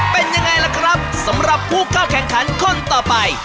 เป็นยังไงล่ะครับสำหรับผู้เข้าแข่งขันคนต่อไป